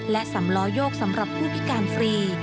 และสำล้อโยกสำหรับผู้พิการฟรี